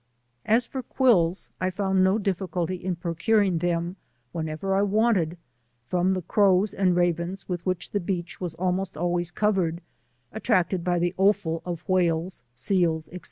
As for quills I found no diflBculty in procuring them, whenever I wanted, from the crows and ravens with which the beach was almost always covered, attracted by the offal of whales, seals, &c.